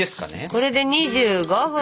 これで２５分。